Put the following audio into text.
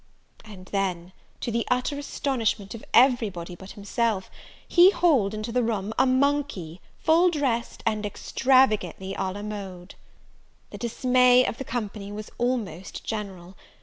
And then, to the utter astonishment of every body but himself, he hauled into the room a monkey, full dressed, and extravagantly e; la mode! The dismay of the company was almost general.